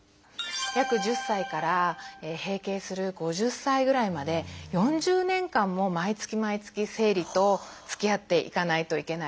約１０歳から閉経する５０歳ぐらいまで４０年間も毎月毎月生理とつきあっていかないといけないです。